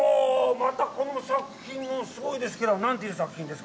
また、この作品もすごいですけど、何という作品ですか？